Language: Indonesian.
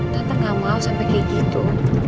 datang gak mau sampai kayak gitu